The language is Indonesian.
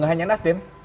gak hanya nasdem